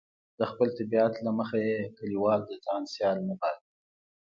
د خپل طبیعت له مخې یې کلیوال د ځان سیال نه باله.